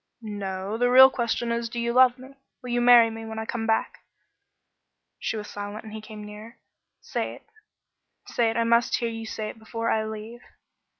"No. The real question is, Do you love me? Will you marry me when I come back?" She was silent and he came nearer. "Say it. Say it. I must hear you say it before I leave."